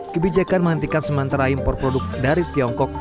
kebijakan menghentikan sementara impor produk dari tiongkok